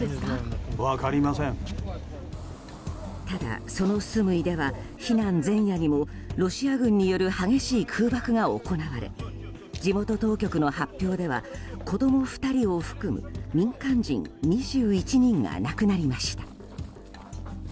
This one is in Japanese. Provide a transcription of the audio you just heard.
ただ、そのスムイでは避難前夜にもロシア軍による激しい空爆が行われ地元当局の発表では子供２人を含む民間人２１人が亡くなりました。